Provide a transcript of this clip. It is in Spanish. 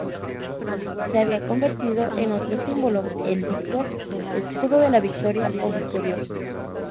Se había convertido en otro símbolo: el Víctor, Escudo de la Victoria o Victorioso.